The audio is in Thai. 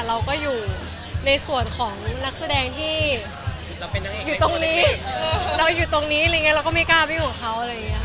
เราก็อยู่ในส่วนของนักแสดงที่อยู่ตรงนี้เราก็ไม่กล้าไปกับเขา